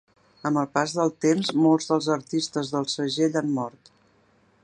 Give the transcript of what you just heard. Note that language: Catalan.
Amb el pas del temps, molts dels artistes del segell han mort.